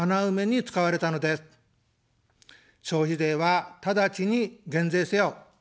消費税はただちに減税せよ。